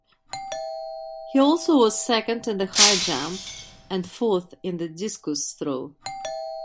He also was second in the high jump and fourth in the discus throw.